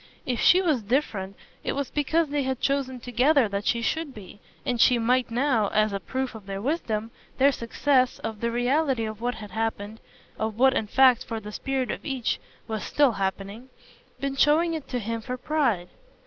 If she was different it was because they had chosen together that she should be, and she might now, as a proof of their wisdom, their success, of the reality of what had happened of what in fact, for the spirit of each, was still happening been showing it to him for pride.